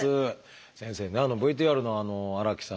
先生ねＶＴＲの荒木さんと門馬さん